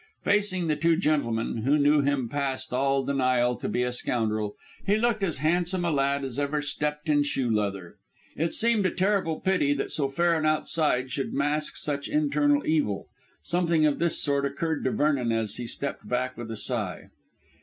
Facing the two gentlemen, who knew him past all denial to be a scoundrel, he looked as handsome a lad as ever stepped in shoe leather. It seemed a terrible pity that so fair an outside should mask such internal evil. Something of this sort occurred to Vernon as he stepped back with a sigh.